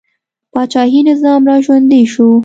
پاچاهي نظام را ژوندی شو.